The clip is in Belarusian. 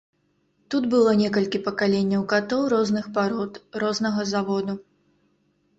Тут было некалькі пакаленняў катоў розных парод, рознага заводу.